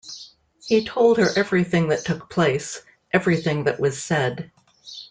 He told her everything that took place, everything that was said.